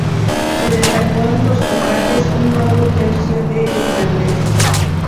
Se destacó en los combates un nuevo tercio de irlandeses.